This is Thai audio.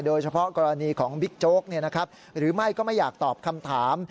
โดยเฉพาะกรณีของบิ๊กโจ๊กหรือไม่ก็ไม่อยากตอบคำถาม